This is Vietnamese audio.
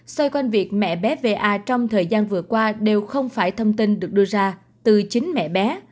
xoay quanh việc mẹ bé về a trong thời gian vừa qua đều không phải thông tin được đưa ra từ chính mẹ bé